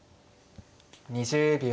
２０秒。